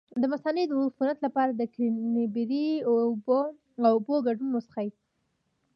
د مثانې د عفونت لپاره د کرینبیري او اوبو ګډول وڅښئ